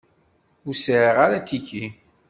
Ur sεiɣ ara atiki.